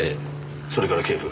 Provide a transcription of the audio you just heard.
それから警部。